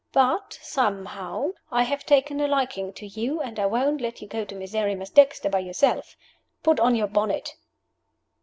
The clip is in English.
But, somehow, I have taken a liking to you, and I won't let you go to Miserrimus Dexter by yourself. Put on your bonnet!"